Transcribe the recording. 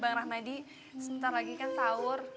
bang rahmadi sebentar lagi kan sahur